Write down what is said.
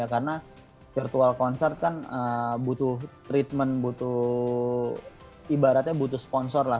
karena virtual concert kan butuh treatment butuh ibaratnya butuh sponsor lah